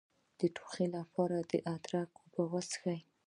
د ټوخي لپاره د ادرک اوبه وڅښئ